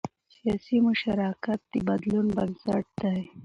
سیاسي مشارکت د بدلون بنسټ دی